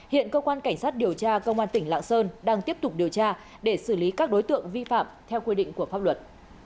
hiện cơ quan cảnh sát điều tra công an tỉnh lạng sơn đang tiếp tục điều tra để xử lý các đối tượng vi phạm theo quy định của pháp luật